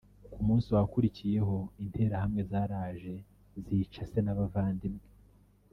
Ku munsi wakurikiyeho Interahamwe zaraje zica se n’abavandimwe